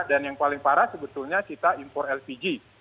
dan yang paling parah sebetulnya kita impor lpg